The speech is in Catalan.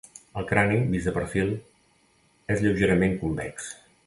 El crani, vist de perfil, és lleugerament convex.